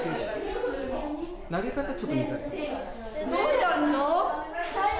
どうやるの？